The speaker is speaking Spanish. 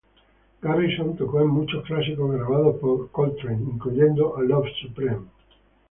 Garrison tocó en muchos clásicos grabados por Coltrane, incluyendo "A Love Supreme".